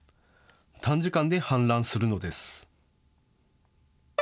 短時間で氾濫するのです。